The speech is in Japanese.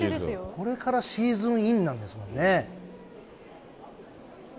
これからシーズンインなんですもんね。